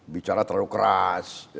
bicara terlalu keras